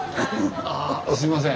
ああすいません。